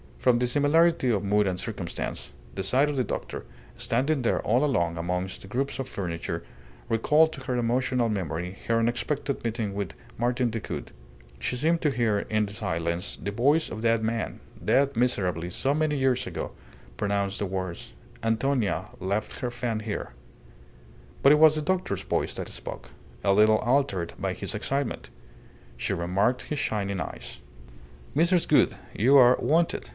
From the similarity of mood and circumstance, the sight of the doctor, standing there all alone amongst the groups of furniture, recalled to her emotional memory her unexpected meeting with Martin Decoud; she seemed to hear in the silence the voice of that man, dead miserably so many years ago, pronounce the words, "Antonia left her fan here." But it was the doctor's voice that spoke, a little altered by his excitement. She remarked his shining eyes. "Mrs. Gould, you are wanted.